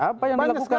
apa yang dilakukan